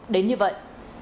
đến như vậy